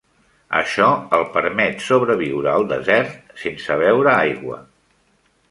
Això el permet sobreviure al desert sense beure aigua.